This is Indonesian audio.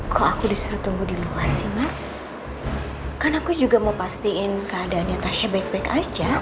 kok aku disuruh tumbuh di luar sih mas kan aku juga mau pastiin keadaannya tasha baik baik aja